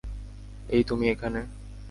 এই তুমি এখানে?